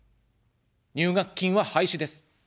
入学金は廃止です。